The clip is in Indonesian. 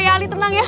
ya ali tenang ya